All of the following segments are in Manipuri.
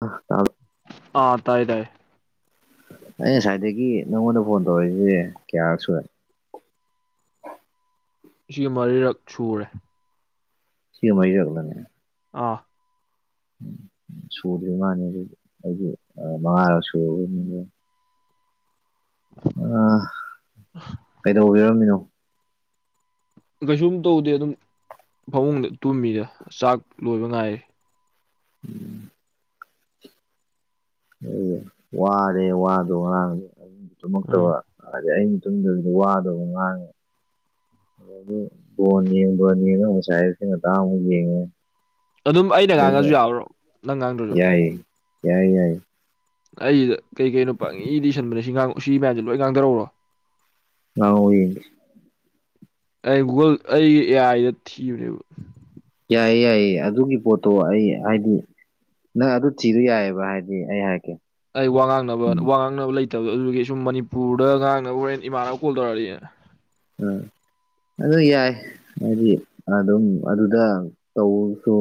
ꯑ ꯇꯥ ꯑꯥ ꯇꯥꯏ ꯇꯥꯏꯌꯦ ꯑꯩ ꯉꯁꯥꯏꯗꯒꯤ ꯅꯪꯉꯣꯟꯗ ꯐꯣꯟ ꯇꯧꯔꯛꯏꯁꯦ ꯀꯌꯥꯛ ꯁ ꯁꯤꯒꯤ ꯃꯔꯤꯔꯛ ꯁꯨꯔꯦ ꯁꯤꯃꯥꯏ ꯑꯣꯏꯒꯂꯅꯦ ꯑꯥ ꯁꯨꯗ꯭ꯔꯤ ꯃꯥꯟꯅꯦ ꯑꯗꯣꯏꯗꯤ ꯑꯩꯗꯤ ꯃꯉꯥꯔ ꯁꯔꯕꯣꯏꯅꯤꯡꯉꯨꯔꯦ꯫ ꯑ ꯀꯩꯗꯧꯕꯤꯔꯝꯃꯤꯅꯣ꯫ ꯀꯩꯁꯨꯝ ꯇꯧꯗꯦ ꯑꯗꯨꯝ ꯐꯃꯨꯡꯗ ꯇꯨꯝꯃꯤꯗ ꯆꯥꯛ ꯂꯣꯏꯕ ꯉꯥꯏꯔꯦ꯫ [inaudible] ꯑꯩ ꯋꯥꯔꯦ ꯋꯥꯗꯣ ꯉꯔꯥꯡ ꯑꯗꯨꯝ ꯎꯝ ꯇꯨꯝꯃꯛꯇꯕ꯫ ꯑꯗꯩ ꯑꯍꯤꯡ ꯇꯨꯝꯗꯅꯨꯗ ꯋꯥꯗꯣ ꯑꯃꯣꯛ ꯉꯥꯡꯉꯦ꯫ ꯑꯗꯒꯤ ꯕꯣꯜ ꯌꯦꯡꯕꯅꯦꯅ ꯑꯃꯨꯛ ꯉꯁꯥꯏ ꯑꯥꯌꯨꯛꯇꯩ ꯉꯥꯟꯇ ꯑꯃꯨꯛ ꯌꯦꯡꯉꯦ꯫ ꯑꯗꯨꯝ ꯑꯩꯅ ꯑꯗꯩꯗ ꯉꯥꯡꯉꯁꯨ ꯌꯥꯕꯔꯣ ꯅꯪ ꯉꯥꯡꯗꯔ ꯌꯥꯏꯌꯦ ꯌꯥꯏꯌꯦ ꯌꯥꯏꯌꯦ꯫ ꯑꯩꯗ ꯀꯩ ꯀꯩꯅꯣ ꯄꯪꯏꯗ ꯏꯁꯟꯕꯅꯦ ꯁꯤ ꯉꯥꯡ ꯁꯤ ꯃꯌꯥꯝꯁꯦ ꯂꯣꯏ ꯉꯥꯡꯊꯔꯛꯎꯔꯣ꯫ ꯉꯥꯎꯏ꯫ ꯑꯩ ꯒꯨꯒꯜ ꯑꯩꯒꯤ ꯑꯦ ꯑꯥꯏꯗ ꯊꯤꯕꯅꯦꯕ꯫ ꯌꯥꯏꯌꯦ ꯌꯥꯏꯌꯦ ꯑꯗꯨꯒꯤ ꯄꯣꯠꯇꯣ ꯑꯩ ꯍꯥꯏꯗꯤ꯫ ꯅꯪ ꯑꯗꯨ ꯊꯤꯗꯨ ꯌꯥꯏꯌꯦꯕ ꯍꯥꯏꯗꯤ ꯑꯩ ꯍꯥꯏꯔꯛꯀꯦ꯫ ꯑꯩ ꯋꯥ ꯉꯥꯡꯅꯕ ꯎꯝ ꯋꯥ ꯉꯥꯡꯅꯕ ꯂꯩꯇꯕꯗꯣ ꯑꯗꯨꯒꯤ ꯁꯨꯝ ꯃꯅꯤꯄꯨꯔꯗ ꯉꯥꯡꯅꯕ ꯍꯣꯔꯦꯟ ꯏꯃꯥꯟꯅꯕ ꯀꯣꯜ ꯇꯧꯔꯛꯑꯗꯤ꯫ ꯎꯝ ꯑꯗꯨ ꯌꯥꯏ꯫ ꯍꯥꯏꯗꯤ ꯑꯗꯨꯝ ꯑꯗꯨꯗ ꯇꯧꯁꯨ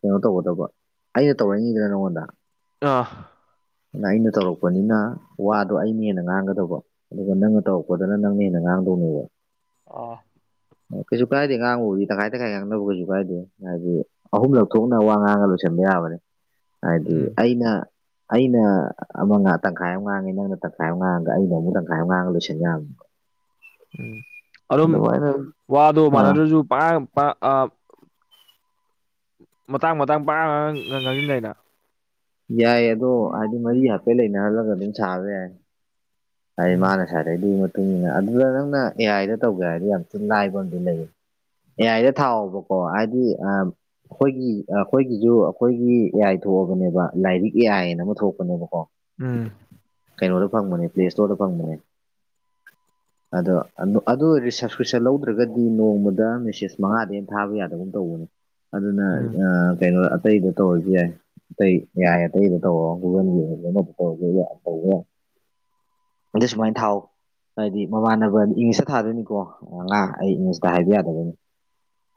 ꯀꯩꯅꯣ ꯇꯧꯒꯗꯕ꯫ ꯑꯩꯅ ꯇꯧꯔꯅꯤꯗꯅ ꯅꯪꯉꯣꯟꯗ꯫ ꯑ꯫ ꯑꯩꯅ ꯇꯧꯔꯛꯄꯅꯤꯅ ꯋꯥꯗꯣ ꯑꯩꯅ ꯍꯦꯟꯅ ꯉꯥꯡꯒꯗꯧꯕ꯫ ꯑꯗꯨꯒ ꯅꯪꯅ ꯇꯧꯔꯛꯄꯗꯅ ꯅꯪꯅ ꯍꯦꯟꯅ ꯉꯥꯡꯗꯧꯅꯦꯕ꯫ ꯑ꯫ ꯀꯩꯁꯨ ꯀꯥꯏꯗꯦ ꯑꯉꯥꯡꯕꯕꯨꯗꯤ ꯇꯪꯈꯥꯏ ꯇꯪꯈꯥꯏ ꯉꯥꯡꯅꯕ ꯀꯩꯁꯨ ꯀꯥꯏꯗꯦ ꯍꯥꯏꯗꯤ꯫ ꯑꯍꯨꯝꯂꯛ ꯊꯣꯛꯅ ꯋꯥ ꯉꯥꯡꯒ ꯂꯣꯏꯁꯤꯟꯕ ꯌꯥꯕꯅꯦ ꯍꯥꯏꯗꯤ ꯎꯝ ꯑꯩꯅ꯫ ꯑꯩꯅ ꯑꯃ ꯇꯪꯈꯥꯏ ꯑꯃ ꯉꯥꯡꯉꯦ ꯅꯪꯅ ꯇꯪꯈꯥꯏ ꯑꯃ ꯉꯥꯡꯉꯒ ꯑꯩꯅ ꯑꯃꯨꯛ ꯇꯪꯈꯥꯏ ꯑꯃꯨꯛ ꯇꯪꯈꯏ ꯉꯥꯡꯉꯒ ꯂꯣꯏꯁꯟꯕ ꯌꯥꯕꯅꯤꯕ꯫ ꯎꯝ ꯑꯗꯨꯝ ꯋꯥꯗꯣ ꯑꯥ ꯃꯥꯟꯅꯗꯔꯁꯨ꯫ ꯄꯉꯥꯡ ꯑꯥ ꯃꯇꯥꯡ ꯃꯇꯥꯡ ꯄꯉꯥꯡ ꯉꯥꯡꯁꯤꯟꯗꯥꯏꯅꯦ ꯅꯪ꯫ ꯌꯥꯏꯌꯦ ꯑꯗꯣ ꯍꯥꯏꯗꯤ ꯃꯔꯤ ꯍꯥꯏꯐꯦꯠ ꯂꯩꯅꯍꯜꯂꯒ ꯑꯗꯨꯝ ꯁꯥꯔꯁꯨ ꯌꯥꯏ꯫ ꯍꯥꯏꯗꯤ ꯎꯝ ꯃꯥꯅ ꯁꯥꯅꯩꯗꯨꯒꯤ ꯃꯇꯨꯡ ꯏꯟꯅ ꯑꯗꯨꯗ ꯅꯪꯅ ꯑꯦ ꯑꯥꯏꯗ ꯇꯧꯒꯦ ꯍꯥꯏꯔꯗꯤ ꯌꯥꯝ ꯊꯤ ꯂꯥꯏꯕ ꯑꯃꯗꯤ ꯂꯩꯌꯦ꯫ ꯑꯦ ꯌꯥꯏꯗ ꯊꯥꯎꯑꯣꯕꯀꯣ ꯍꯥꯏꯗꯤ ꯑꯝ꯫ ꯑꯩꯈꯣꯏꯒꯤ ꯑꯩꯈꯣꯏꯒꯤꯁꯨ ꯑꯩꯈꯣꯏꯒꯤ ꯑꯦ ꯑꯥꯏ ꯊꯣꯛꯑꯕꯅꯦꯕ ꯂꯥꯏꯔꯤꯛ ꯑꯦ ꯑꯥꯏꯅ ꯑꯃ ꯊꯣꯛꯄꯅꯦꯕꯀꯣ꯫ ꯎꯝ꯫ ꯀꯩꯅꯣꯗ ꯐꯪꯕꯅꯦ ꯄ꯭ꯂꯦ ꯏꯁꯇꯣꯔꯗ ꯐꯪꯕꯅꯦ꯫ ꯑꯗꯣ ꯑꯗꯨ ꯔꯤꯁꯞꯁꯀ꯭ꯔꯤꯞꯁꯟ ꯂꯧꯗ꯭ꯔꯒꯗꯤ ꯅꯣꯡꯃꯗ ꯃꯦꯁꯦꯁ ꯃꯉꯥꯗꯒꯤ ꯍꯦꯟꯅ ꯊꯥꯕ ꯌꯥꯗꯒꯨꯝ ꯇꯧꯕꯅꯦ꯫ ꯑꯗꯨꯅ ꯎꯝ ꯑ ꯀꯩꯅꯣ ꯑꯇꯩꯗ꯫ ꯇꯧꯔꯁꯨ ꯌꯥꯏ ꯑꯇꯩ ꯑꯦ ꯑꯥꯏ ꯑꯇꯩꯗ ꯇꯧꯔꯣ ꯒꯨꯒꯜꯒꯤ ꯇꯧꯔꯒꯦ ꯁꯨ ꯌꯥꯏ ꯇꯧꯕ ꯌꯥꯏ꯫ ꯑꯗꯁꯨꯃꯥꯏꯟ ꯊꯥꯎ꯫ ꯍꯥꯏꯗꯤ ꯃꯃꯥꯟꯅꯕꯗꯤ ꯏꯪꯂꯤꯁꯇ ꯊꯥꯗꯣꯏꯅꯤꯀꯣ ꯉꯥ ꯑꯩ ꯏꯪꯂꯤꯁꯇ ꯍꯥꯏꯕ ꯌꯥꯗꯕꯩꯅꯤ꯫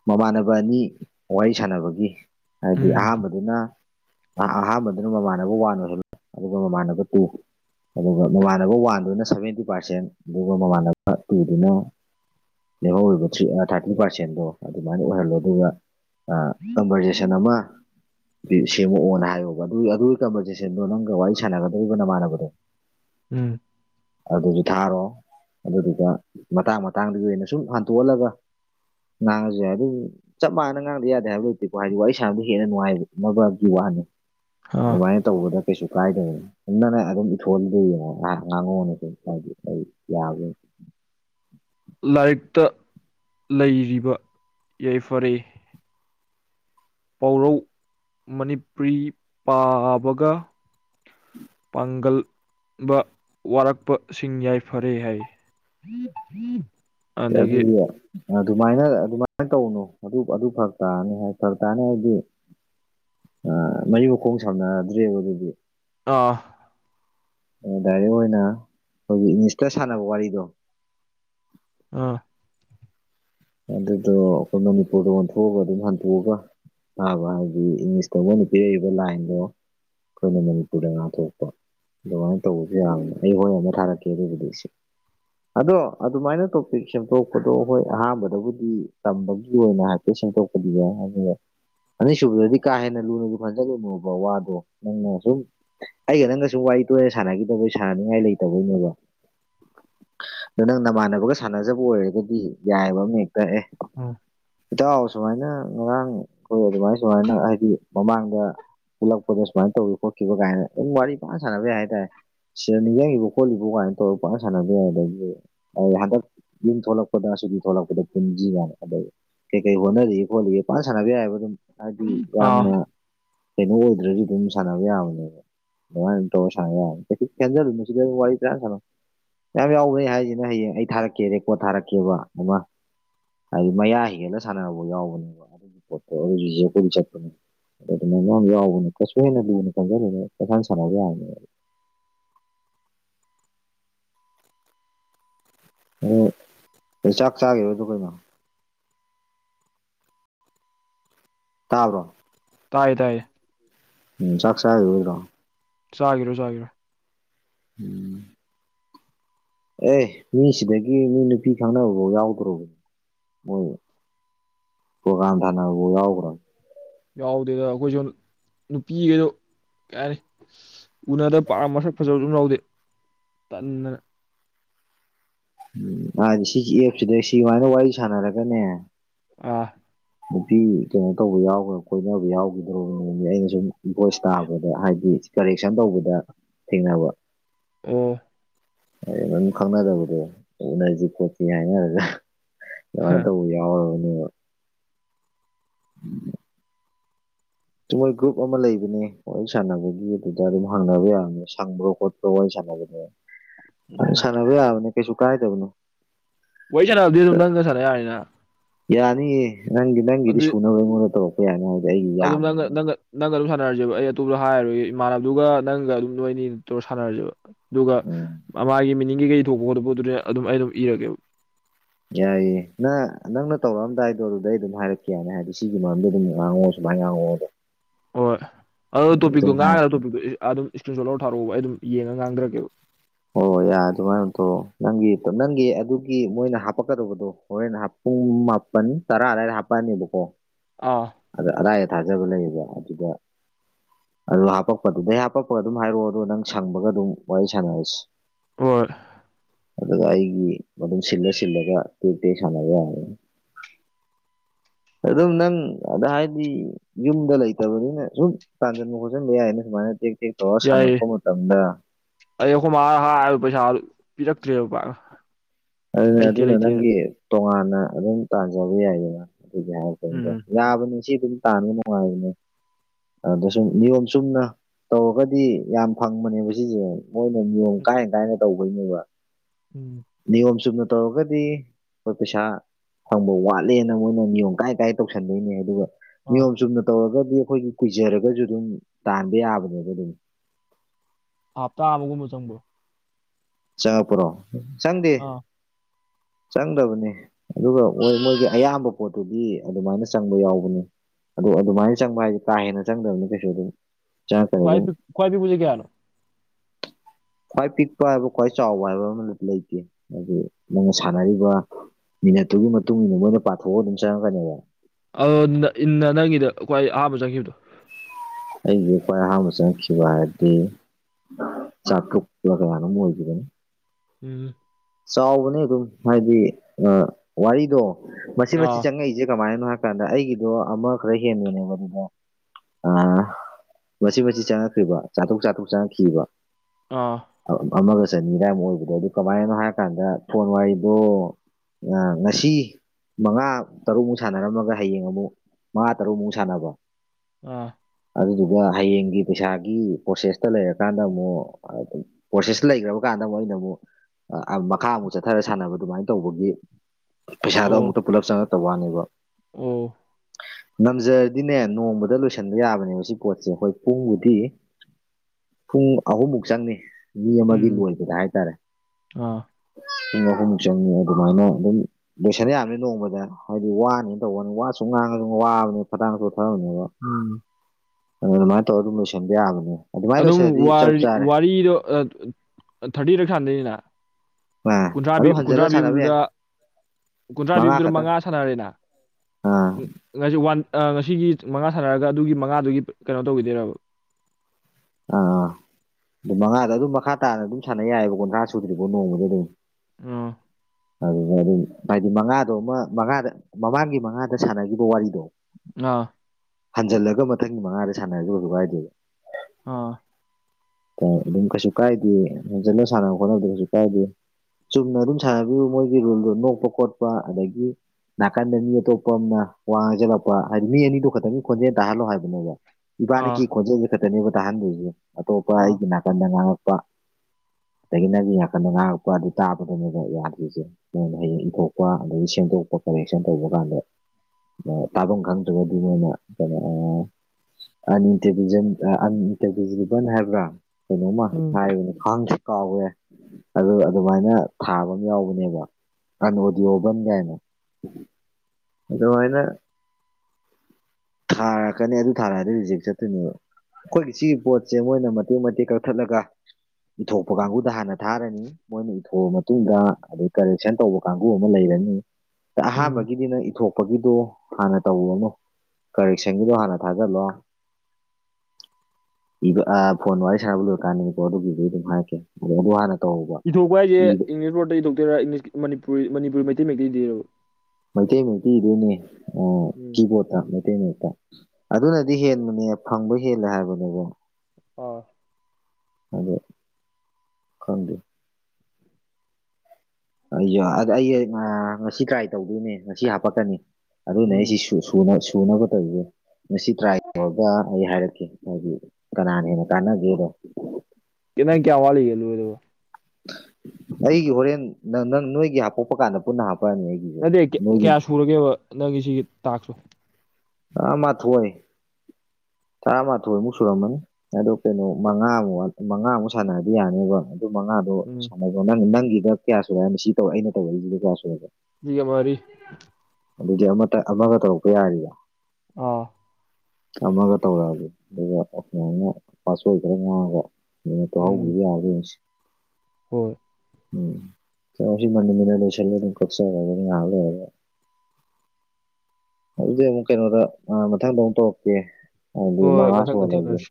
ꯃꯃꯥꯟꯅꯕ ꯑꯅꯤ ꯋꯥꯔꯤ ꯁꯥꯟꯅꯕꯒꯤ ꯍꯥꯏꯗꯤ ꯎꯝ ꯑꯍꯥꯟꯕꯗꯨꯅ꯫ ꯑꯍꯥꯟꯕꯗꯨꯅ ꯃꯃꯥꯟꯅꯕ ꯋꯥꯟ ꯑꯣꯏꯜꯂꯣ ꯑꯗꯨꯒ ꯃꯃꯥꯟꯅꯕ ꯇꯨ꯫ ꯑꯗꯨꯒ ꯃꯃꯥꯟꯅꯕ ꯋꯥꯟꯗꯨꯅ ꯁꯚꯦꯟꯇꯤ ꯄꯥꯔꯁꯦꯟ ꯑꯗꯨꯒ ꯃꯃꯥꯟꯅꯕ ꯇꯨꯗꯨꯅ꯫ ꯂꯦꯝꯍꯧꯔꯤꯕ ꯊꯔꯤ ꯊꯥꯔꯇꯤ ꯄꯥꯔꯁꯦꯟꯗꯣ ꯑꯗꯨꯃꯥꯏꯅ ꯑꯣꯏꯍꯜꯂꯣ ꯑꯗꯨꯒ꯫ ꯑꯥ ꯀꯟꯕꯥꯔ ꯁꯦꯁꯟ ꯑꯃꯥ꯫ ꯁꯦꯝꯃꯛꯑꯣꯅ ꯍꯥꯏꯌꯣꯕ ꯑꯗꯨꯒꯤ ꯑꯗꯨꯒꯤ ꯀꯝꯄꯔꯦꯁꯟꯗꯣ ꯅꯪꯒ ꯋꯥꯔꯤ ꯁꯥꯟꯅꯒꯗꯣꯔꯤꯕ ꯅꯃꯥꯟꯅꯕꯗꯣ꯫ ꯎꯝ꯫ ꯑꯗꯨꯁꯨ ꯊꯥꯔꯣ ꯑꯗꯨꯗꯨꯒ ꯃꯇꯥꯡ ꯃꯇꯥꯡꯒꯤ ꯑꯣꯏꯅ ꯁꯨꯝ ꯍꯟꯇꯣꯛꯍꯜꯂꯒ꯫ ꯉꯥꯡꯉꯁꯨ ꯌꯥꯏ ꯑꯗꯨ꯫ ꯆꯞ ꯃꯥꯟꯅ ꯉꯥꯡꯗ ꯌꯥꯗꯦ ꯍꯥꯏꯕ ꯂꯩꯇꯦꯀꯣ ꯍꯥꯏꯗꯤ ꯋꯥꯔꯤ ꯁꯥꯅꯕ ꯍꯦꯟꯅ ꯅꯨꯡꯉꯥꯏꯅꯕꯒꯤ ꯋꯥꯅꯤ꯫ ꯑ ꯑꯗꯨꯃꯥꯏꯅ ꯇꯧꯕꯗ ꯀꯩꯁꯨ ꯀꯥꯏꯗꯕꯅꯤ ꯅꯥꯪꯅꯦ ꯑꯗꯨꯝ꯫ ꯁꯣꯗꯣꯏꯔꯤꯅ ꯍꯥꯏ ꯑꯉꯥꯡꯉꯣꯅꯁꯨꯨꯝ ꯍꯥꯏꯗꯤ ꯑꯩ ꯌꯥꯒꯦ꯫ ꯂꯥꯏꯔꯤꯛꯇ ꯂꯩꯔꯤꯕ ꯌꯥꯏꯐꯔꯦ ꯄꯥꯎꯔꯧ ꯃꯅꯤꯄꯨꯔꯤ ꯄꯥꯕꯒ ꯄꯥꯡꯒꯜꯕ ꯋꯥꯔꯛꯄꯁꯤꯡ ꯌꯥꯏꯐꯔꯦ ꯍꯥꯏ ꯐ꯭ꯔꯤ ꯐ꯭ꯔꯤ ꯅ ꯑꯗꯨꯃꯥꯏꯅ ꯑꯗꯨꯃꯥꯏꯅ ꯇꯧꯅꯨ ꯑꯗꯨ ꯑꯗꯨ ꯐꯔꯛ ꯇꯥꯔꯅꯤ ꯍꯥꯏ ꯐꯔꯛ ꯇꯥꯅꯤ ꯍꯥꯏꯗꯤ ꯑ ꯃꯔꯤ ꯃꯈꯣꯡ ꯁꯝꯅꯗ꯭ꯔꯦꯕ ꯑꯗꯨꯗꯤ ꯑꯥ ꯗꯥꯏꯔꯦꯛ ꯑꯣꯏꯅ ꯑꯩꯈꯣꯏꯒꯤ ꯏꯪꯂꯤꯁꯀ ꯁꯥꯟꯅꯕ ꯋꯥꯔꯤꯗꯣ ꯑꯥ ꯑꯗꯨꯗꯣ ꯑꯩꯈꯣꯏ ꯃꯅꯤꯄꯨꯔꯗ ꯑꯣꯟꯊꯣꯛꯑꯒ ꯑꯗꯨꯝ ꯍꯟꯇꯣꯛꯑꯒ ꯑꯕ ꯍꯥꯏꯗꯤ ꯏꯪꯂꯤꯁꯀ ꯃꯣꯏꯅ ꯄꯤꯔꯛꯏꯕ ꯂꯥꯏꯟꯗꯣ ꯑꯩꯈꯣꯏꯅ ꯃꯅꯤꯄꯨꯔꯗ ꯉꯥꯛꯊꯣꯛꯄ ꯑꯗꯨꯃꯥꯏꯅ ꯇꯧꯕꯁꯨ ꯌꯥꯅꯤ ꯑꯩ ꯍꯣꯏ ꯑꯃ ꯊꯥꯔꯛꯀꯦ ꯑꯗꯨꯕꯨꯗꯤ ꯁꯤ ꯑꯗꯣ ꯑꯗꯨꯃꯥꯏꯅ ꯇꯣꯄꯤꯛ ꯁꯦꯝꯗꯣꯛꯄꯗꯣ ꯑꯩꯈꯣꯏ ꯑꯍꯥꯟꯕꯗ ꯑꯗꯨꯕꯨꯗꯤ ꯇꯝꯕꯒꯤ ꯑꯣꯏꯅ ꯍꯥꯏꯐꯦꯠ ꯁꯦꯡꯇꯣꯛꯄꯗꯤꯅꯦ ꯍꯥꯏꯕꯦ ꯑꯅꯤꯁꯨꯕꯗꯗꯤ ꯀꯥ ꯍꯦꯟꯅ ꯂꯨꯅꯁꯨ ꯈꯟꯖꯂꯅꯣꯕ ꯋꯥꯗꯣ ꯅꯪꯅ ꯁꯨꯝ ꯑꯩꯒ ꯅꯪꯒꯁꯨ ꯋꯥꯔꯤ ꯇꯣꯏꯔꯦ ꯁꯥꯟꯅꯈꯤꯗꯕꯩ ꯁꯥꯟꯅꯅꯤꯡꯉꯥꯏ ꯂꯩꯇꯕꯩꯅꯦꯕ ꯑꯗꯣ ꯅꯪ ꯅꯃꯥꯟꯅꯕꯒ ꯁꯥꯟꯅꯖꯕ ꯑꯣꯏꯔꯒꯗꯤ ꯌꯥꯏꯕ ꯑꯃ ꯍꯦꯛꯇ ꯑꯦꯦ ꯑꯣ ꯏꯇꯥꯎ ꯁꯨꯃꯥꯏꯅ ꯉꯔꯥꯡ ꯑꯩꯈꯣꯏ ꯑꯗꯨꯃꯥꯏ ꯁꯨꯃꯥꯏꯅ ꯍꯥꯏꯗꯤ ꯃꯃꯥꯡꯗ ꯄꯨꯜꯂꯛꯄꯗ ꯁꯨꯃꯥꯏꯅ ꯇꯧꯈꯤꯕ ꯈꯣꯠꯈꯤꯕ ꯀꯥꯏꯅ ꯑꯗꯨ ꯋꯥꯔꯤ ꯋꯥꯅ ꯁꯥꯟꯅꯕ ꯌꯥ ꯍꯥꯏꯇꯥꯔꯦ ꯁꯤ ꯅꯤꯡ ꯌꯦꯡꯉꯤꯕ ꯈꯣꯠꯂꯤꯕ ꯀꯃꯥꯏꯅ ꯇꯧꯔ ꯄꯥꯛꯅ ꯁꯥꯟꯅꯒꯦ ꯑꯗꯒꯤ ꯍꯟꯗꯛ ꯌꯨꯝ ꯊꯣꯛꯂꯛꯄꯗ ꯁ ꯊꯣꯛꯂꯛꯄꯗ ꯌꯥ ꯑ ꯀꯩ ꯀꯩ ꯍꯣꯠꯅꯔꯤꯒ ꯈꯣꯠꯂꯤꯒꯄꯥ ꯁꯥꯟꯅꯕ ꯌꯥꯏꯕ ꯑꯗꯨꯝ ꯍꯥꯏꯗꯤ ꯑꯥ ꯌꯥꯝꯅ ꯀꯩꯅꯣ ꯑꯣꯏꯗ꯭ꯔꯗꯤ ꯑꯗꯨꯝ ꯁꯥꯟꯅꯕ ꯌꯥꯕꯅꯦꯕ ꯑꯗꯨꯃꯥꯏ ꯑꯗꯨꯝ ꯇꯧꯔ ꯁꯅꯥ ꯌꯥꯕꯅꯤ ꯋꯥꯔꯤ ꯄꯪꯁꯥꯟ ꯁꯥꯅꯧ ꯌꯥꯝ ꯌꯥꯎꯕꯅꯤ ꯍꯥꯏꯔꯤꯁꯤꯅ ꯍꯌꯦꯡ ꯑꯩ ꯊꯥꯔꯛꯀꯦ ꯔꯦꯀꯣꯔꯠ ꯊꯥꯔꯛꯀꯦꯕ ꯑꯃ ꯍꯥꯏꯗꯤ ꯃꯌꯥ ꯍꯦꯟꯅ ꯁꯥꯟꯅꯕ ꯌꯥꯎꯕꯅꯦꯕ ꯑꯗꯨꯒꯤ ꯄꯣꯠꯇꯣ ꯑꯗꯨꯒꯤꯁꯦ ꯑꯩꯈꯣꯏꯗꯤ ꯆꯠꯄꯅꯦ ꯑꯗꯨꯅ ꯅꯉꯣꯟ ꯌꯥꯎꯕꯅꯦ ꯀꯩꯁꯨ ꯍꯦꯟꯅ ꯂꯨꯅ ꯈꯟꯖꯔꯤꯅꯦ ꯀꯩꯁꯥꯟ ꯁꯥꯟꯅꯕ ꯌꯥꯕꯅꯦ ꯑꯩ ꯆꯥꯛ ꯆꯥꯈꯤꯕ ꯑꯗꯨ ꯀꯩꯅꯣ ꯇꯥꯕ꯭ꯔꯣ ꯇꯥꯏꯌꯦ ꯇꯥꯏꯌꯦ ꯎꯝ ꯆꯥꯛꯁ ꯍꯥꯏ꯭ꯔꯣ ꯁꯥꯥꯒꯤꯔꯣ ꯁꯥꯥꯒꯤꯔꯣ ꯎꯝ ꯑꯦ ꯃꯤꯁꯤꯗꯒꯤ ꯃꯤ ꯅꯨꯄꯤ ꯈꯪꯅꯕꯐꯥꯎ ꯌꯥꯎꯗ꯭ꯔꯨꯕꯅꯦ ꯃꯣꯏ ꯄ꯭ꯔꯣꯒꯥꯟ ꯊꯥꯅꯕꯕꯨ ꯌꯥꯎꯈ꯭ꯔꯣ ꯌꯥꯎꯗꯦꯗ ꯑꯩꯈꯣꯏꯁꯨ ꯅꯨꯄꯤꯈꯩꯁꯨ ꯀꯩ ꯍꯥꯏꯅꯤ ꯎꯅꯗꯕ ꯄꯥꯔ ꯃꯁꯛ ꯐꯖꯕꯁꯨ ꯎꯅꯔꯧꯗꯦ ꯇꯗꯅ ꯎꯝ ꯍꯥꯏꯗꯤ ꯁꯤꯒꯤ ꯑꯦꯞꯁꯤꯗ ꯁꯤꯃꯥꯏꯅ ꯋꯥꯔꯤ ꯁꯥꯟꯅꯔꯒꯅꯦ ꯑ ꯅꯨꯄꯤ ꯀꯩꯅꯣ ꯇꯧꯕ ꯌꯥꯎꯕ꯭ꯔꯥ ꯀꯣꯏꯅꯕ ꯌꯥꯎꯈꯤꯗ꯭ꯔꯣ ꯅꯣꯡꯒꯤ ꯑꯩꯅ ꯁꯨꯝ ꯚꯣꯏꯁ ꯇꯥꯕꯗ ꯍꯥꯏꯗꯤ ꯀꯔꯦꯛꯁꯟ ꯇꯧꯕꯗ ꯊꯦꯡꯅꯕ ꯑꯣ ꯑꯗꯨ ꯑꯗꯨꯝ ꯈꯪꯅꯗꯕꯗꯣ ꯎꯅꯁꯤ ꯈꯣꯠꯁꯤ ꯍꯥꯏꯅꯔꯒ ꯍ ꯑꯗꯣ ꯌꯥꯎ [unintelligible] ꯃꯣꯏ ꯒ꯭ꯔꯨꯞ ꯑꯃ ꯂꯩꯕꯅꯦ ꯋꯥꯔꯤ ꯁꯥꯟꯅꯕꯒꯤ ꯑꯗꯨꯗ ꯑꯗꯨꯝ ꯍꯪꯅꯕ ꯌꯥꯅꯤ ꯁꯪꯕ꯭ꯔꯥ ꯈꯣꯠꯄ꯭ꯔꯣ ꯋꯥꯔꯤ ꯁꯥꯟꯅꯕꯅꯦ ꯑ ꯎꯝ ꯁꯅꯕ ꯌꯥꯕꯅꯤ ꯀꯩꯁꯨ ꯀꯥꯏꯗꯕꯅ ꯋꯥꯔꯤ ꯁꯥꯟꯅꯕꯗꯤ ꯑꯗꯨꯝ ꯅꯪꯒ ꯁꯥꯟꯅ ꯌꯥꯔꯅꯤꯅ ꯌꯥꯅꯤꯌꯦ ꯅꯪꯗꯤ ꯅꯪꯒꯤꯗꯤ ꯑꯗꯨꯗꯤ ꯁꯨꯅꯕ ꯑꯩꯉꯣꯟꯗ ꯇꯧꯔꯛꯄ ꯌꯥꯅꯤ ꯍꯥꯏꯗꯤ ꯑꯩꯒꯤ ꯑꯗꯨꯝ ꯅꯪ ꯌꯥꯝꯃꯕꯅꯤꯅ ꯅꯪ ꯅꯪꯒ ꯑꯗꯨꯝ ꯁꯥꯟꯅꯔꯁꯦꯕ ꯑꯩ ꯑꯇꯣꯞꯄꯗ ꯍꯥꯏꯔꯣꯏ ꯏꯃꯥꯟꯅꯕꯗꯨꯒ ꯅꯪꯒ ꯑꯗꯨꯝ ꯅꯣꯏ ꯑꯅꯤ ꯇꯧꯔ ꯁꯥꯟꯅꯔꯁꯦꯕ ꯑꯗꯨꯒ ꯎꯝ ꯃꯥꯒꯤ ꯃꯤꯅꯤꯡꯒꯤ ꯀꯩ ꯊꯣꯛꯄ ꯈꯣꯠꯕꯨ ꯑꯗꯨꯗꯤ ꯑꯗꯨꯝ ꯑꯩ ꯑꯗꯨꯝ ꯏꯔꯒꯦꯕ ꯌꯥꯏꯌꯦ ꯅꯪ ꯅꯪꯅ ꯇꯧꯔꯛꯑꯝꯗꯥꯏꯗꯣ ꯑꯗꯨꯗꯩ ꯑꯗꯨꯝ ꯍꯥꯏꯔꯛꯀꯦꯅ ꯍꯥꯏꯗꯤ ꯁꯤꯒꯤ ꯃꯔꯝꯗꯣ ꯑꯗꯨꯝ ꯉꯥꯡꯉꯣ ꯃꯗꯨ ꯃꯥꯏ ꯉꯥꯡꯉꯛꯑꫭ ꯍꯣꯏ ꯑꯣ ꯇꯣꯄꯤꯛꯇꯣ ꯍꯥꯏꯔꯛꯀꯦ ꯉꯥꯡꯉꯒ ꯇꯣꯄꯤꯛꯇꯣ ꯑꯗꯨꯝ ꯏꯁꯀ꯭ꯔꯤꯟ ꯁꯣꯠ ꯂꯧꯔ ꯊꯥꯔꯛꯑꯣ ꯑꯩ ꯑꯗꯨꯝ ꯌꯦꯡꯉ ꯉꯥꯡꯔ꯭ꯔꯒꯦꯕ ꯑꯣꯏ ꯌꯥꯏ ꯑꯗꯨꯃꯥꯏꯅ ꯇꯧ ꯅꯪꯒꯤ ꯅꯪꯒꯤ ꯑꯗꯨꯒꯤ ꯃꯣꯏꯅ ꯍꯥꯄꯛꯀꯗꯧꯕꯗꯣ ꯍꯣꯔꯅ ꯄꯨꯡ ꯃꯥꯄꯟ ꯇꯔꯥ ꯑꯗꯨꯋꯥꯏꯗ ꯍꯥꯞꯄꯅꯦꯕꯀꯣ ꯑꯥ ꯑꯗ ꯑꯗꯥꯏꯗ ꯊꯥꯖꯕ ꯂꯩꯌꯦꯕ ꯑꯗꯨꯗ ꯑꯗꯣ ꯍꯥꯄꯛꯄꯗꯨꯗꯩ ꯍꯥꯄꯛꯄꯒ ꯑꯗꯨꯝ ꯍꯥꯏꯔꯛꯑꯣ ꯑꯗꯣ ꯅꯪ ꯁꯪꯕꯒ ꯑꯗꯨꯝ ꯋꯥꯔꯤ ꯁꯥꯟꯅꯔꯁꯤ ꯍꫭꯏ ꯑꯗꯨꯒ ꯑꯩꯒꯤ ꯃꯝ ꯁꯤꯜꯂ ꯁꯤꯜꯂꯒ ꯇꯦꯛ ꯇꯦꯛ ꯁꯥꯟꯅꯕ ꯌꯥꯔꯦ ꯑꯗꯨꯝ ꯅꯪ ꯑꯗ ꯍꯥꯏꯗꯤ ꯌꯨꯝꯗ ꯂꯩꯇꯕꯅꯤꯅ ꯁꯨꯝ ꯇꯥꯟꯁꯤꯟꯕ ꯈꯣꯠꯆꯟꯕ ꯌꯥꯏꯅ ꯁꯨꯃꯥꯏꯅ ꯇꯦꯛ ꯆꯦꯛ ꯑ ꯌꯥꯏꯌꯦ ꯁꯪꯉꯛꯄ ꯃꯇꯝꯗ ꯑꯩ ꯑꯩꯈꯣꯏ ꯃꯥꯔ ꯍꯥꯏꯕ ꯄꯩꯁꯥꯗꯨ ꯄꯤꯔꯛꯇ꯭ꯔꯦꯕ ꯄꯥꯛꯅ ꯑꯗꯨꯅꯦ ꯂꯩꯇꯦ ꯑꯗꯨꯅ ꯂꯩꯇꯦꯅ ꯅꯪꯒꯤ ꯇꯣꯉꯥꯟꯅ ꯑꯗꯨꯝ ꯇꯥꯟꯖꯕ ꯌꯥꯏꯗꯅ ꯑꯗꯨꯗꯤ ꯍꯥꯏꯦ ꯎꯝ ꯌꯥꯕꯅꯤ ꯁꯤ ꯑꯗꯨꯝ ꯇꯥꯅꯕ ꯅꯨꯡꯉꯥꯏꯕꯅꯦ ꯑꯗꯨꯗ ꯁꯨꯝ ꯅꯤꯌꯣꯝ ꯆꯨꯝꯅ ꯇꯧꯔꯒꯗꯤ ꯌꯥꯝ ꯐꯪꯕꯅꯦꯕ ꯁꯤꯁꯦ ꯃꯣꯏꯅ ꯅꯤꯌꯣꯝ ꯀꯥꯏ ꯀꯥꯏꯅ ꯇꯧꯕꯩꯅꯦꯕ ꯎꯝ ꯅꯤꯌꯣꯝ ꯆꯨꯝꯅ ꯇꯧꯔꯒꯗꯤ ꯑꯩꯈꯣꯏ ꯄꯩꯁꯥ ꯐꯪꯕ ꯋꯥꯠꯂꯦꯅ ꯃꯣꯏꯅ ꯅꯤꯌꯣꯝ ꯀꯥꯏ ꯀꯥꯏ ꯇꯧꯁꯟꯗꯣꯏꯅꯦ ꯑꯗꯨꯒ ꯑꯥ ꯅꯤꯌꯣꯝ ꯆꯨꯝꯅ ꯇꯧꯔꯒꯗꯤ ꯑꯩꯈꯣꯏꯒꯤ ꯀꯨꯏꯖꯔꯒꯁꯨ ꯑꯗꯨꯝ ꯇꯥꯟꯕ ꯌꯥꯕꯅꯦꯕ ꯑꯗꯨꯝ ꯍꯞꯇꯥꯕꯒꯨꯝꯕ ꯆꯪꯕꯣ ꯆꯪꯉꯛꯄꯔꯣ ꯆꯪꯗꯦ ꯑꯥ ꯆꯪꯗꯕꯅꯤ ꯑꯗꯨꯒ ꯍꯣꯏ ꯃꯣꯏꯒꯤ ꯑꯌꯥꯝꯕ ꯄꯣꯠꯇꯨꯗꯤ ꯑꯗꯨꯃꯥꯏꯅ ꯆꯪꯕ ꯌꯥꯎꯕꯅꯦ ꯑꯗꯣ ꯑꯗꯨꯃꯥꯏꯅ ꯆꯪꯕ ꯍꯥꯏꯁꯦ ꯀꯥ ꯍꯦꯟꯅ ꯆꯪꯗꯕꯅꯤ ꯀꯩꯁꯨ ꯑꯗꯨꯝ ꯆꯪꯉꯛꯀꯅꯤ ꯀ꯭ꯣꯏ ꯑꯗꯨꯝ ꯀꯋꯥꯣꯏꯗꯤ ꯄꯨꯖꯤꯦꯒꯌꯥꯜ ꯈ꯭ꯋꯥꯏ ꯄꯤꯛꯄ ꯍꯥꯏꯕ ꯈ꯭ꯋꯥꯏ ꯆꯥꯎꯕ ꯍꯥꯏꯕ ꯑꯃ ꯂꯩꯇꯦ ꯑꯗꯨ ꯅꯪꯅ ꯁꯥꯟꯅꯔꯤꯕ ꯃꯤꯅꯠꯇꯨꯒꯤ ꯃꯇꯨꯡ ꯏꯟꯅ ꯃꯣꯏꯅ ꯄꯥꯊꯣꯛꯑꯒ ꯑꯗꯨꯝ ꯆꯪꯉꯛꯀꯅꯦꯕ ꯑ ꯏꯟꯅ ꯅꯪꯒꯤꯗ ꯑꯩꯏ ꯑꯍꯥꯟꯕ ꯆꯪꯈꯤꯕꯗꯣ ꯑꯩꯒꯤ ꯑꯩꯈꯣꯏ ꯑꯍꯥꯟꯕ ꯆꯪꯈꯤꯕ ꯍꯥꯏꯔꯗꯤ ꯆꯥꯇ꯭ꯔꯨꯛꯄ ꯀꯌꯥꯅꯣ ꯑꯣꯏꯈꯤꯕꯅꯣ ꯎꯝ ꯆꯥꯎꯕꯅꯤ ꯑꯗꯨꯝ ꯍꯥꯏꯗꯤ ꯋꯥꯔꯤꯗꯣ ꯃꯁꯤ ꯑꯥ ꯃꯁꯤ ꯆꯪꯉꯛꯏꯁꯦ ꯀꯃꯥꯏꯅꯣ ꯍꯥꯏ ꯀꯥꯟꯗ ꯑꯩꯒꯤꯗꯣ ꯑꯃ ꯈꯔ ꯍꯦꯟꯕꯅꯦꯕ ꯑꯗꯨꯗ ꯑ ꯃꯁꯤ ꯃꯁꯤ ꯆꯪꯉꯛ꯭ꯔꯤꯕ ꯆꯥꯊꯣꯛ ꯆꯥꯊꯣꯛ ꯆꯪꯉꯛꯈꯤꯕ ꯑꯥ ꯑꯃꯒ ꯆꯅꯤꯗꯃꯨꯛ ꯑꯣꯏꯕꯗ ꯑꯗꯨ ꯀꯃꯥꯏꯅꯅꯣ ꯍꯥꯏꯔ ꯀꯥꯟꯗ ꯐꯣꯟ ꯋꯥꯔꯤꯗꯣ ꯑ ꯉꯁꯤ ꯃꯉꯥ ꯇꯔꯨꯛꯃꯨꯛ ꯁꯥꯟꯅꯔꯝꯃꯒ ꯍꯌꯦꯡ ꯑꯃꯨꯛ ꯃꯉꯥ ꯇꯔꯨꯛꯃꯨꯛ ꯁꯥꯟꯅꯕ ꯑꯥ ꯑꯗꯨꯗꯨꯒ ꯍꯌꯦꯡꯒꯤ ꯄꯩꯁꯥꯒꯤ ꯄ꯭ꯔꯣꯁꯦꯁꯇ ꯂꯩꯔꯀꯥꯟꯗ ꯑꯃꯨꯛ ꯄ꯭ꯔꯣꯁꯦꯁ ꯂꯩꯈ꯭ꯔꯕ ꯀꯥꯟꯗꯕꯨ ꯑꯩꯅꯕꯨ ꯃꯈꯥ ꯑꯃꯨꯛ ꯆꯠꯊꯔ ꯁꯥꯟꯅꯕ ꯑꯗꯨꯃꯥꯏꯅ ꯇꯧꯕꯒꯤ ꯄꯩꯁꯥꯗꯣ ꯑꯃꯨꯛꯇ ꯑꯣ ꯄꯨꯜꯂꯞ ꯆꯪꯉꯛꯇ ꯋꯥꯅꯦꯕ ꯑꯣ ꯅꯝꯖꯔꯗꯤꯅꯦ ꯅꯣꯡꯃꯗ ꯂꯣꯏꯁꯤꯟꯕ ꯌꯥꯕꯅꯦꯕ ꯁꯤ ꯄꯣꯠꯁꯦ ꯍꯣꯏ ꯄꯨꯡꯕꯨꯗꯤ ꯄꯨꯡ ꯑꯍꯨꯝꯃꯨꯛ ꯆꯪꯅꯤ ꯃꯤ ꯑꯃꯒꯤ ꯎꯝ ꯂꯣꯟꯗꯨꯗ ꯍꯥꯏꯇꯥꯔꯦ ꯑꯥ ꯑꯍꯨꯝ ꯆꯪꯉꯤ ꯑꯗꯨꯃꯥꯏꯅ ꯑꯗꯨꯝ ꯂꯣꯏꯁꯟ ꯌꯥꯝꯕꯅꯤ ꯅꯣꯡꯃꯗ ꯍꯥꯏꯗꯤ ꯋꯥꯅꯦꯅ ꯇꯧꯕꯅꯤ ꯋꯥꯁꯨ ꯉꯥꯡꯉ ꯑꯗꯨ ꯋꯥꯕꯅꯦ ꯐꯇꯥꯡ ꯊꯕꯅꯦꯕ ꯎꯝ ꯑꯗꯨꯃꯥꯏꯅ ꯇꯧꯔ ꯑꯗꯨꯝ ꯂꯣꯏꯁꯟꯕ ꯌꯥꯕꯅꯦ ꯑꯗꯨꯃꯥꯏꯅ ꯑꯗꯨꯝ ꯂꯣꯏꯁꯤꯜꯂꯗꯤ ꯆꯞ ꯆꯥꯔꯦ ꯋꯥꯔꯤꯗꯣ ꯊꯥꯔꯇꯤ ꯔꯛ ꯁꯥꯟꯗꯩꯅꯤꯅ ꯑꯥ ꯀꯨꯟꯊ꯭ꯔꯥ ꯑꯗꯨꯝ ꯀꯨꯟꯊ꯭ꯔꯥ ꯍꯟꯖꯤꯜꯂ ꯁꯥꯟꯅꯕ ꯌꯥꯏ ꯄꯤꯕꯗꯨꯗ ꯀꯨꯟꯊ꯭ꯔꯥ ꯄꯤꯕꯗꯨ ꯃꯉꯥ ꯁꯥꯟꯅꯔꯦꯅ ꯑꯥ ꯎ ꯉꯁꯤ ꯋꯥꯟ ꯉꯁꯤꯒꯤ ꯃꯉꯥ ꯁꯥꯟꯅꯔꯒ ꯑꯗꯨꯒꯤ ꯃꯉꯥꯗꯨꯒꯤ ꯀꯩꯅꯣ ꯇꯧꯈꯤꯗꯣꯏꯔꯕ ꯑꯥ ꯑꯗꯨ ꯃꯉꯥꯗ ꯑꯗꯨꯝ ꯃꯈꯥ ꯇꯥꯅ ꯑꯗꯨꯝ ꯁꯥꯟꯅ ꯌꯥꯏꯑꯕ ꯀꯨꯟꯊ꯭ꯔꯥ ꯁꯨꯗ꯭ꯔꯤꯕꯣ ꯅꯣꯡꯃꯗꯤ ꯑꯗꯨꯝ ꯎꯝ ꯑꯗꯨ ꯑꯗꯨꯝ ꯍꯥꯏꯗꯤ ꯃꯉꯥꯗꯣ ꯑꯃ ꯃꯉꯥꯗ ꯃꯃꯥꯡꯒꯤ ꯃꯉꯥꯗ ꯁꯥꯟꯅꯈꯤꯕ ꯋꯥꯔꯤꯗꯣ ꯑꯥ ꯍꯟꯖꯜꯂꯒ ꯃꯊꯪꯒꯤ ꯃꯉꯥꯗ ꯁꯥꯟꯅꯔꯈꯤꯕ ꯀ ꯀꯥꯏꯏꯗꯦ ꯑꯣ ꯑꯗꯨꯝ ꯀꯩꯁꯨ ꯀꯥꯏꯗꯦ ꯐꯖꯅ ꯁꯥꯟꯅꯕ ꯈꯣꯠꯅꯕꯗ ꯀꯩꯁꯨ ꯀꯥꯏꯗꯦ ꯆꯨꯝꯅ ꯑꯗꯨꯝ ꯁꯥꯟꯅꯕꯤꯌꯨ ꯃꯣꯏꯒꯤ ꯔꯨꯜꯗꯣ ꯅꯣꯛꯄ ꯈꯣꯠꯄ ꯑꯗꯒꯤ ꯅꯥꯀꯟꯗ ꯃꯤ ꯑꯇꯣꯞꯄ ꯑꯃꯅ ꯋꯥꯡ ꯉ ꯆꯜꯂꯛꯄ ꯍꯥꯏꯗꯤ ꯃꯤ ꯑꯅꯤꯗꯨ ꯈꯛꯇꯪꯒꯤ ꯈꯣꯟꯖꯦꯜ ꯇꯥꯍꯜꯂꯣ ꯍꯥꯏꯕꯅꯦꯕ ꯑꯥ ꯏꯕꯥꯅꯤꯀꯤ ꯈꯣꯟꯖꯦꯜꯁꯦ ꯈꯛꯇꯅꯦꯕ ꯇꯥꯍꯟꯗꯣꯏꯁꯦ ꯑꯇꯣꯞꯄ ꯑꯥ ꯑꯩꯒꯤ ꯅꯥꯀꯟꯗ ꯉꯥꯡꯉꯛꯄ ꯑꯗꯒꯤ ꯅꯪꯒꯤ ꯌꯥꯝꯡꯈꯟꯗ ꯉꯥꯏꯥꯡꯉꯛꯄ ꯑꯗꯨ ꯇꯥꯕꯗꯨꯅꯦꯅ ꯌꯥꯗ꯭ꯔꯤꯁꯦ ꯍꯌꯦꯡ ꯏꯊꯣꯛꯄ ꯑꯗꯒꯤ ꯁꯦꯝꯗꯣꯛꯄ ꯀꯔꯦꯛꯁꯟ ꯇꯧꯕ ꯀꯥꯟꯗ ꯇꯥꯕꯝ ꯈꯪꯗ꯭ꯔꯒꯗꯤ ꯅꯣꯏꯅ [unintelligible] ꯑꯟꯟꯇꯦꯂꯤꯖꯟ ꯑꯟꯟꯇꯦꯂꯤꯕꯟ ꯍꯥꯏꯕ꯭ꯔꯥ ꯀꯩꯅꯣꯝꯃ ꯎꯝ ꯍꯥꯏꯅ ꯈꯥꯡꯗ ꯀꯥꯎꯒꯔꯦ ꯑꯗꯨ ꯑꯗꯨꯃꯥꯏꯅ ꯊꯥꯕ ꯑꯃ ꯌꯥꯎꯕꯅꯦꯕ ꯎꯝ ꯀꯅꯧꯗꯣꯕꯟ ꯌꯥ ꯍꯥꯏꯅ ꯑꯗꯨꯃꯥꯏꯅ ꯊꯥꯔꯛꯀꯅꯤ ꯑꯗꯨ ꯊꯥꯔꯛꯑꯗꯤ ꯔꯤꯖꯦꯛ ꯆꯠꯇꯣꯏꯅꯦꯕ ꯑꯩꯈꯣꯏꯒꯤ ꯁꯤꯒꯤ ꯄꯣꯠ ꯁꯦ ꯃꯣꯏꯅ ꯃꯇꯦꯛ ꯃꯇꯦꯛ ꯀꯛꯊꯠꯂꯒ ꯏꯊꯣꯛꯄ ꯀꯥꯡꯕꯨꯨꯗ ꯍꯥꯟꯅ ꯊꯥꯔꯅꯤ ꯃꯣꯏꯅ ꯏꯊꯣꯛꯑ ꯃꯇꯨꯡꯗ ꯑꯗꯩ ꯀꯔꯦꯛꯁꯟ ꯇꯧꯕ ꯀꯥꯡꯕꯨ ꯑꯃ ꯂꯩꯔꯅꯤ ꯎꯝ ꯑꯍꯥꯟꯕꯒꯤꯅꯤ ꯅꯪ ꯏꯊꯣꯛ ꯄꯒꯤꯗꯣ ꯍꯥꯟꯅ ꯇꯧꯨꯔꯅꯨ ꯀꯔꯦꯛꯁꯟꯒꯤꯗꯣ ꯍꯥꯟꯅ ꯊꯥꯖꯤꯜꯂꯣ ꯄꯕ ꯐꯣꯟ ꯋꯥꯔꯤ ꯁꯥꯥꯟꯅꯕ ꯂꯣꯏꯔꯀꯥꯟꯅꯤꯀꯣ ꯑꯗꯨꯒꯤꯗꯤ ꯑꯗꯨꯝ ꯍꯥꯏꯔꯛꯀꯦ ꯍꯥꯟ ꯏꯊꯣꯛꯄ ꯍꯥꯏꯁꯦ ꯏꯪꯂꯤꯁ ꯕꯣꯔꯗꯠꯇ ꯏꯊꯣꯛꯇꯣꯏꯔꯥ ꯏꯪꯂꯤꯁ ꯃꯅꯤꯄꯨꯔꯤ ꯃꯅꯤꯄꯨꯔꯤ ꯃꯩꯇꯩ ꯃꯌꯦꯛꯇ ꯏꯗꯣꯏꯔꯕ ꯃꯩꯇꯩ ꯃꯩꯇꯩ ꯏꯗꯣꯏꯅꯦ ꯎꯝ ꯀꯤꯕꯣꯔꯗ ꯃꯩꯇꯩ ꯃꯌꯦꯛꯇ ꯑꯗꯨꯅꯗꯤ ꯍꯦꯟꯕꯅꯦ ꯐꯪꯕ ꯍꯦꯜꯂꯦ ꯍꯥꯏꯕꯅꯦꯕ ꯑꯣ ꯑꯗꯣ ꯈꯪꯗꯦ ꯑ ꯑꯩ ꯉꯁꯤ ꯇ꯭ꯔꯥꯏ ꯇꯧꯗꯣꯏꯅꯦ ꯉꯁꯤ ꯍꯥꯄꯛꯀꯅꯤ ꯑꯗꯨꯅꯦ ꯑꯩ ꯎꯝ ꯁꯤ ꯁꯨꯅꯕ ꯇꯧꯁꯦ ꯉꯥꯁꯤ ꯇ꯭ꯔꯥꯏ ꯇꯧꯔꯒ ꯑꯩ ꯍꯥꯏꯔꯛꯀꯦ ꯍꯥꯏꯗꯤ ꯀꯅꯥꯅ ꯍꯦꯟ ꯅ ꯀꯥꯟꯅꯒꯦꯗꯣ ꯀꯩꯅ ꯀꯌꯥ ꯋꯥꯂꯤꯒꯦ ꯂꯣꯏꯒꯗꯕ ꯑꯩꯒꯤ ꯍꯣꯔꯦꯟ ꯅꯪ ꯅꯪ ꯅꯣꯏꯒꯤ ꯍꯥꯄꯣꯛꯄ ꯀꯥꯟꯗ ꯄꯨꯟꯅ ꯍꯥꯞꯄꯛꯑꯅꯤ ꯑꯩ ꯅꯗꯦ ꯀꯌꯥ ꯁꯨꯔꯒꯦꯕ ꯅꯪꯒꯤ ꯁꯤꯒꯤ ꯇꯥꯛꯁꯨ ꯇꯔꯥ ꯃꯥꯥꯊꯣꯏ ꯇꯔꯥꯃꯥꯊꯣꯏꯃꯨꯛ ꯁꯨꯔꯝꯃꯅꯤ ꯑꯗꯣ ꯀꯩꯅꯣ ꯃꯉꯥꯃꯨꯛ ꯃꯉꯥꯃꯨꯛ ꯁꯥꯟꯅꯔꯗꯤ ꯌꯥꯅꯤꯕ ꯑꯗꯨ ꯃꯉꯥꯗꯣ ꯎꯝ ꯁꯥꯟꯅꯣ ꯅꯪ ꯅꯪꯒꯤꯗ ꯀꯌꯥꯁꯨ ꯑꯣꯏꯅꯤ ꯁꯤ ꯇꯧꯔ ꯑꯩꯅ ꯇꯧꯕꯔꯤꯁꯤꯗ ꯀꯌꯥꯁꯨ ꯑꯣꯏꯔꯦ ꯃꯥꯔꯤ ꯑꯗꯨꯗꯤ ꯑꯃ ꯑꯃꯒ ꯇꯧꯔꯛꯄ ꯌꯥꯔꯤꯔ ꯑꯣ ꯑꯃꯒ ꯇꯧꯔꯛꯑꯒꯦ ꯑꯗꯨꯒꯅ ꯄꯥꯁ ꯈꯔ ꯉꯥꯡꯉꯒ ꯃꯤꯅꯠ ꯇꯨ ꯎꯝ ꯍꯧꯈꯤꯕ ꯌꯥꯕ꯭ꯔ ꯌꯦꯡꯁꯤ ꯍꯣꯏ ꯎꯝ ꯀꯣ ꯁꯤ ꯃꯅꯃꯤꯅ ꯂꯣꯏꯁꯤꯜꯂꯦ ꯑꯗꯨ ꯀꯨꯞꯁꯔ ꯑꯗꯨ ꯉꯍꯥꯛ ꯂꯩꯔꯦ ꯑꯗꯨꯗꯤ ꯑꯃꯨꯛ ꯀꯩꯅꯣꯗ ꯃꯊꯪꯗ ꯑꯃꯨꯛ ꯇꯧꯔꯛꯀꯦ ꯍꯥꯏꯗꯤ ꯍꯣꯏ ꯍꯣꯏ ꯃꯉꯥ ꯃꯊꯪꯗ ꯁꯨꯍꯜꯂꯒꯦ ꯊꯦꯡꯅꯔꯁꯤ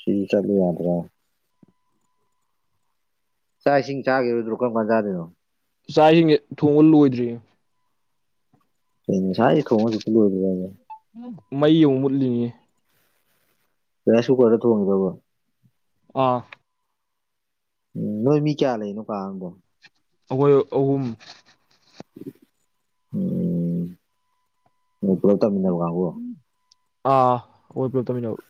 ꯁꯤ ꯆꯗ ꯌꯥꯗ꯭ꯔꯦ ꯆꯥꯛ ꯏꯁꯤꯡ ꯆꯥꯈꯤꯔꯣꯏꯗꯔꯣ ꯀꯔꯝ ꯀꯥꯟ ꯆꯥꯗꯣꯏꯅꯣ ꯆꯥꯛ ꯍꯤꯡꯁꯦ ꯊꯣꯡꯕ ꯂꯣꯏꯗ꯭ꯔꯤ ꯉꯁꯥꯏꯗꯩ ꯊꯣꯡꯉꯁꯨ ꯍꯧꯖꯤꯛꯄꯨ ꯂꯣꯏꯗ꯭ꯔꯤꯕ ꯍꯥꯏꯁꯦ ꯃꯩ ꯑꯃꯨ ꯃꯨꯠꯂꯤꯅꯤ ꯔꯥꯏꯁ ꯀꯁꯨꯛꯔ ꯗ ꯊꯣꯡꯉꯤꯔꯕ ꯑꯥ ꯎꯝ ꯅꯣꯏ ꯃꯤ ꯀꯌꯥ ꯂꯩꯅꯣ ꯀꯥ ꯑꯝꯗ ꯑꯩꯈꯣꯏ ꯑꯍꯨꯝ ꯎꯝ ꯄꯨꯂꯞ ꯇꯝꯃꯤꯟꯅꯕ ꯀꯥꯡꯕꯨ ꯑꯥ ꯈꯣꯏ ꯄꯨꯂꯞ ꯇꯃꯤꯟꯅꯕ